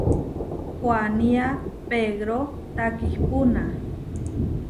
Huanía Pegró takihpúna.